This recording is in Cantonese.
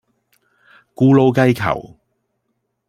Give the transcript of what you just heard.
咕嚕雞球